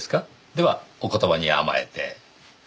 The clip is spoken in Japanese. ではお言葉に甘えて。